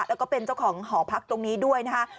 แล้วก็เป็นเจ้าของหอพักตรงนี้ด้วยนะคะ